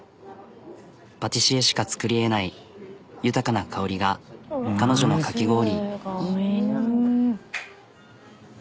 パティシエしか作り得ない豊かな香りが彼女のかき氷。